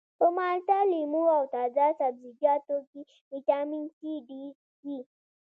په مالټه لیمو او تازه سبزیجاتو کې ویټامین سي ډیر وي